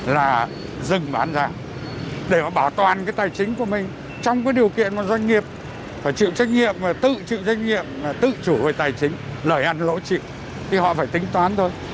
là dừng bán ra để mà bảo toàn cái tài chính của mình trong cái điều kiện mà doanh nghiệp phải chịu trách nhiệm và tự chịu trách nhiệm tự chủ về tài chính lợi ăn lỗ trị thì họ phải tính toán thôi